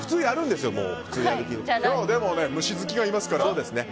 でも虫好きがいますから。